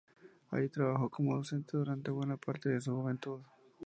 Allí trabajó como docente durante buena parte de su juventud.